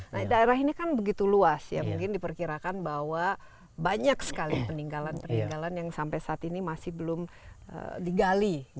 nah daerah ini kan begitu luas ya mungkin diperkirakan bahwa banyak sekali peninggalan peninggalan yang sampai saat ini masih belum digali